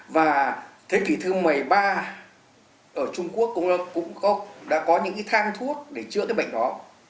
và thế kỷ thứ một mươi ba ở trung quốc cũng đã có những cái thang thuốc để chữa cái bệnh đó